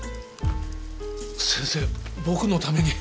先生僕のために。